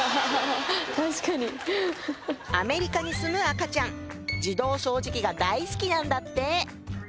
確かにアメリカに住む赤ちゃん自動掃除機が大好きなんだって